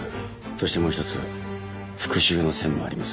そしてもう一つ復讐の線もあります。